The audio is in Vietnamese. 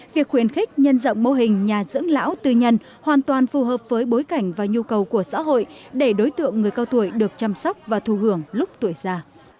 việc khuyến khích nhân dọng mô hình nhà dưỡng lão tư nhân hoàn toàn phù hợp với bối cảnh và nhu cầu của xã hội để đối tượng người cao tuổi được chăm sóc và thu hưởng lúc tuổi già